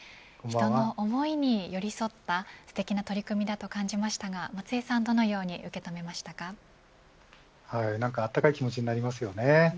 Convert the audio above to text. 人の思いに寄り添ったすてきな取り組みだと感じましたが、松江さんなんかあったかい気持ちになりますよね。